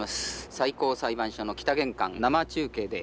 最高裁判所の北玄関生中継で。